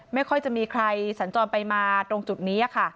ไม่ค่อยจะมีใครสัญจรไปมาตรงจุดนี้ค่ะ